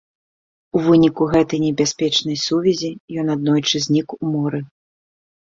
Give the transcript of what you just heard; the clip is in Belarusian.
У выніку гэтай небяспечнай сувязі ён аднойчы знік у моры.